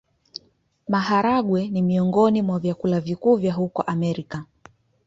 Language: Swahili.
Maharagwe ni miongoni mwa vyakula vikuu vya huko Amerika.